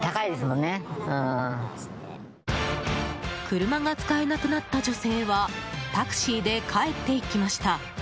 車が使えなくなった女性はタクシーで帰っていきました。